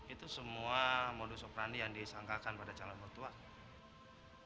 itu semua modus operandi yang disangkakan pada calon mertua